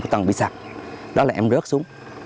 cái tầng bị sạc đó là em rớt xuống